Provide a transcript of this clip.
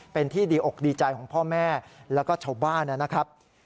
เป็นที่ดีอกดีใจของพ่อแม่แล้วก็ชาวบ้านนะครับ